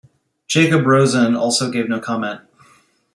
Jacob Rosen also gave no comment.